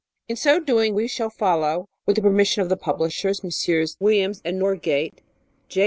In so doing, we shall follow, with the permission of the publishers (Messrs. Williams & Norgate), J.